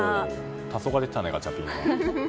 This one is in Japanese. たそがれてたね、ガチャピン。